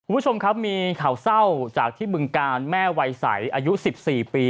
คุณผู้ชมครับมีข่าวเศร้าจากที่บึงการแม่วัยใสอายุ๑๔ปี